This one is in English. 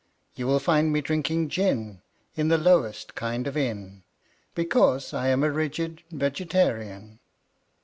You will find me drinking gin In the lowest kind of inn, Because I am a rigid Vegetarian.